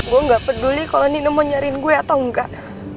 gue gak peduli kalau ini mau nyariin gue atau enggak